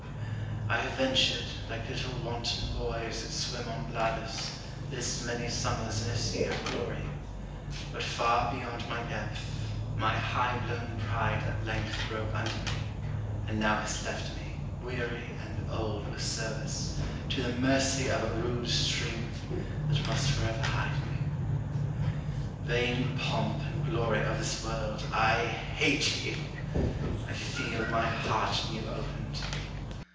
I have ventured, Like little wanton boys that swim on bladders, This many summers in a sea of glory; But far beyond my depth: my high blown pride At length broke under me; and now has left me, Weary and old with service, to the mercy Of a rude stream, that must forever hide me. Vain pomp and glory of this world, I hate ye: I feel my heart new opened.